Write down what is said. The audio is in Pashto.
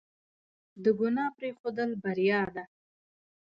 د ګناه پرېښودل بریا ده.